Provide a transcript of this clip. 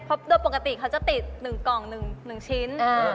เพราะโดยปกติเขาจะติด๑กล่อง๑ชิ้น